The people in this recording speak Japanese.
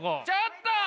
ちょっと！